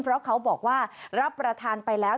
เพราะเขาบอกว่ารับประทานไปแล้ว